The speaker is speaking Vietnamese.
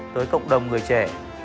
tới cộng đồng người trẻ